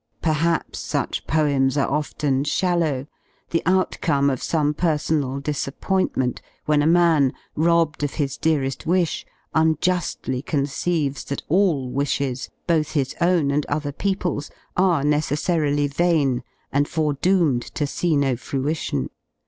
Perhaps such poems are often shallow, the out come of some personal disappointment, when a man, robbed of his deareW wish, unjuWly conceives that all wishes, both his own and other peoples, are necessarily vain and fore doomed to see no fruition.